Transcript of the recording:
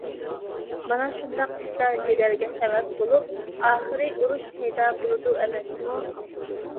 مانا شۇنداق ئىشلار جېدەلگە سەۋەب بولۇپ، ئاخىر ئۇرۇش پەيدا بولىدۇ ئەمەسمۇ؟